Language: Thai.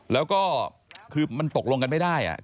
แล้วก็คือมันตกลงกันไม่ได้